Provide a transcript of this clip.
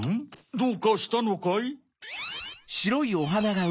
どうかしたのかい？